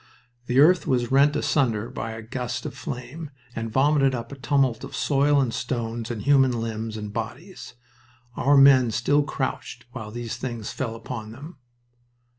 The earth was rent asunder by a gust of flame, and vomited up a tumult of soil and stones and human limbs and bodies. Our men still crouched while these things fell upon them.